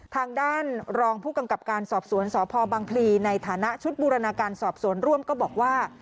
ทางด้านรองผู้กำกับการสอบสวนสพบังพลีในฐานะชุดบูรณาการสอบสวนร่วมก็บอกว่า